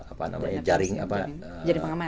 apa namanya jaring apa